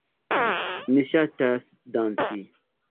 Mi ŝatas danci.